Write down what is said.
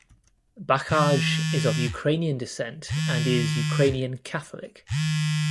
Bakaj is of Ukrainian descent and is Ukrainian Catholic.